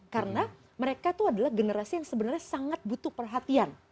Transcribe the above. karena mereka itu adalah generasi yang sebenarnya sangat butuh perhatian